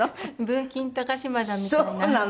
文金高島田みたいな。